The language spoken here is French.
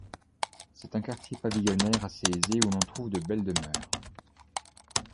C'est un quartier pavillonnaire assez aisé où l'on trouve de belles demeures.